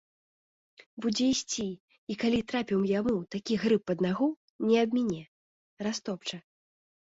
Будзе ісці і, калі трапіў яму такі грыб пад нагу, не абміне, растопча.